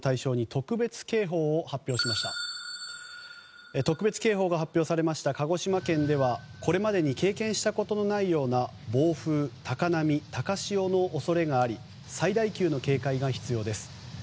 特別警報が発表された鹿児島県ではこれまでに経験したことのないような暴風、高波、高潮の恐れがあり最大級の警戒が必要です。